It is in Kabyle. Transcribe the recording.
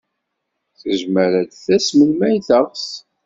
Tezmer ad d-tas melmi ay teɣs.